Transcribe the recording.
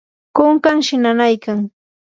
kunkanshi nanaykan.